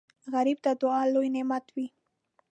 غریب ته دعا لوی نعمت وي